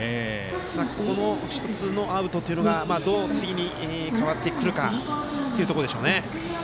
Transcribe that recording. この１つのアウトっていうのがどう次に変わってくるかというところでしょうね。